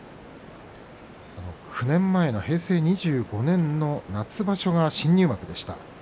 ９年前の平成２５年の夏場所が新入幕でした。